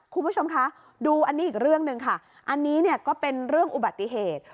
คุณผู้ชมคะดูอันนี้อีกเรื่องหนึ่งค่ะอันนี้เนี่ยก็เป็นเรื่องอุบัติเหตุ